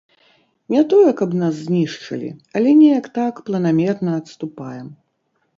Не тое, каб нас знішчылі, але неяк так планамерна адступаем.